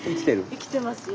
生きてますよ。